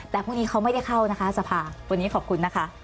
แต่พรุ่งนี้เขาไม่ได้เข้านะคะสภาวันนี้ขอบคุณนะคะ